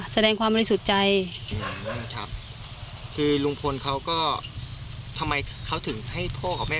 แสดงความรู้สึกใจอืมครับคือลุงพลเขาก็ทำไมเขาถึงให้พ่อของแม่